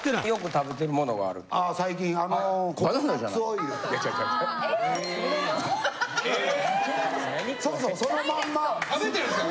食べてるんですか？